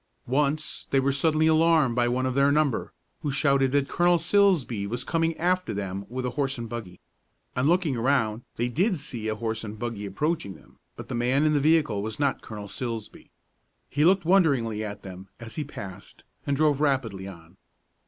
Once they were suddenly alarmed by one of their number, who shouted that Colonel Silsbee was coming after them with a horse and buggy. On looking around, they did see a horse and buggy approaching them, but the man in the vehicle was not Colonel Silsbee. He looked wonderingly at them as he passed, and drove rapidly on.